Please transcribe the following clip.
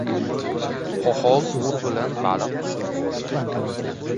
• Poxol to‘r bilan baliq tutib bo‘lmaydi.